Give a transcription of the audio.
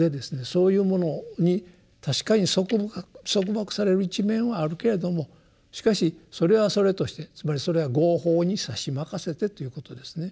そういうものに確かに束縛される一面はあるけれどもしかしそれはそれとしてつまりそれは「業報にさしまかせて」ということですね。